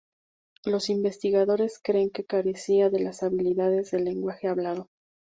Los investigadores creen que carecía de las habilidades del lenguaje hablado.